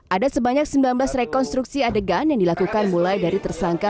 ada sebanyak sembilan belas rekonstruksi adegan yang dilakukan mulai dari tersangka